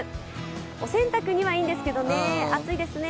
お洗濯にはいいんですけどね、暑いですね。